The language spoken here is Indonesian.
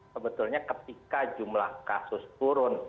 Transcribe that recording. sebetulnya ketika jumlah kasus turun